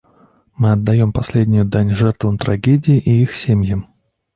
Мы отдаем последнюю дань жертвам трагедии и их семьям.